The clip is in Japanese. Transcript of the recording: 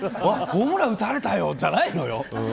ホームランを打たれたよじゃないんですよ。